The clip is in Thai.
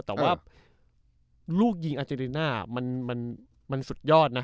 แต่ว่าลูกยิงอาเจริน่ามันสุดยอดนะ